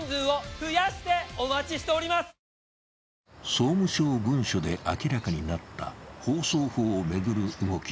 総務省文書で明らかになった放送法を巡る動き。